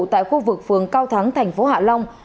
tại khu vực phường cao thắng tp hạ long